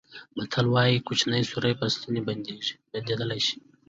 متل وایي کوچنی سوری په ستن بندېدلای شي.